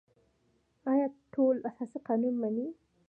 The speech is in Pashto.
آیا ټول اساسي قانون مني؟